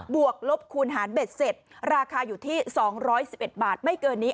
วกลบคูณหารเบ็ดเสร็จราคาอยู่ที่๒๑๑บาทไม่เกินนี้